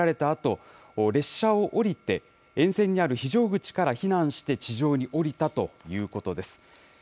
あと列車を降りて沿線にある非常口から避難して地上に降りたということです。